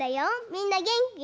みんなげんき？